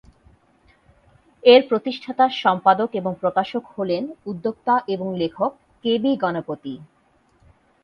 এর প্রতিষ্ঠাতা, সম্পাদক এবং প্রকাশক হলেন উদ্যোক্তা এবং লেখক কে বি গণপতি।